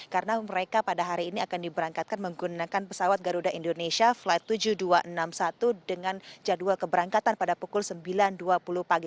karena mereka pada hari ini akan diberangkatkan menggunakan pesawat garuda indonesia flight tujuh ribu dua ratus enam puluh satu dengan jadwal keberangkatan pada pukul sembilan dua puluh pagi